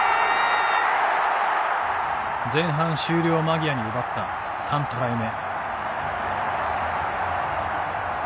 前半終了間際に奪った３トライ目。